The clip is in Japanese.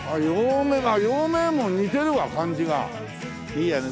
いいやね。